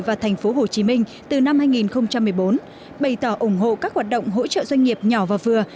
và thành phố hồ chí minh từ năm hai nghìn một mươi bốn bày tỏ ủng hộ các hoạt động hỗ trợ doanh nghiệp nhỏ và vừa